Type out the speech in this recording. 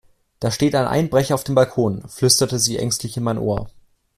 Da steht ein Einbrecher auf dem Balkon, flüsterte sie ängstlich in mein Ohr.